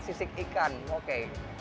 sisik ikan oke